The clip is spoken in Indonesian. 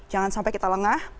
jangan sampai kita lengah